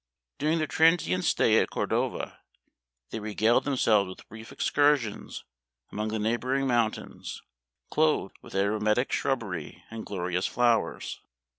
During their transient stay at Cordova they regaled them selves with brief excursions among the neighbor ing mountains, clothed with arometic shrubbery and glorious flowers.